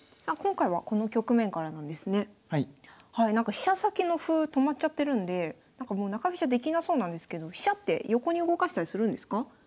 飛車先の歩止まっちゃってるんで中飛車できなそうなんですけど飛車って横に動かしたりするんですか？